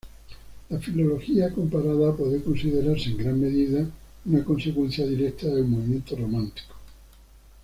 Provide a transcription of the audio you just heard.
La filología comparada puede considerarse en gran medida una consecuencia directa del movimiento romántico.